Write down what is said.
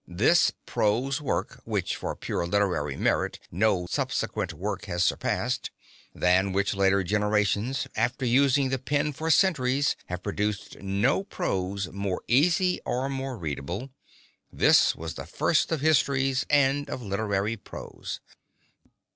This prose work, which for pure literary merit no subsequent work has surpassed, than which later generations, after using the pen for centuries, have produced no prose more easy or more readable, this was the first of histories and of literary prose."